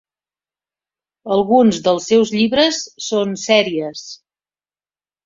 Alguns dels seus llibres són sèries.